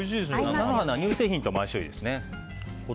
菜の花、乳製品と相性がいいですね。